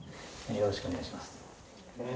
よろしくお願いします。